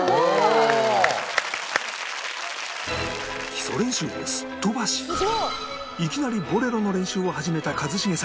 基礎練習をすっ飛ばしいきなり『ボレロ』の練習を始めた一茂さん